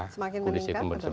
semakin meningkat betul